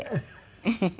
フフフ。